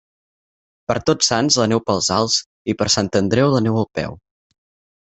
Per Tots Sants la neu pels alts, i per Sant Andreu la neu al peu.